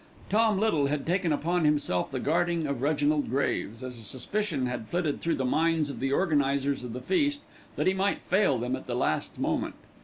Tom Little had taken upon himself the guarding of Reginald Graves, as a suspicion had flitted through the minds of the organisers of the feast that he might fail them at the last moment.